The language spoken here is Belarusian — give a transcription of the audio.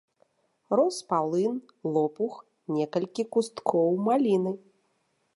Рос палын, лопух, некалькі кусткоў маліны.